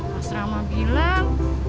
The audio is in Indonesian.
mas ramah bilang